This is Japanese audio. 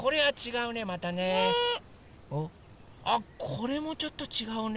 これもちょっとちがうね。